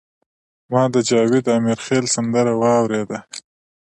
ما د جاوید امیرخیل سندره واوریده.